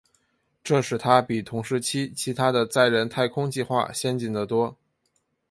这使它比同时期其它的载人太空计划先进得多。